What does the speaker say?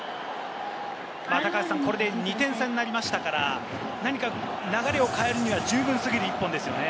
これで２点差になりましたから、何か流れを変えるには十分過ぎる１本ですね。